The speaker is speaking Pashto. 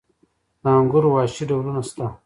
د انګورو وحشي ډولونه شته؟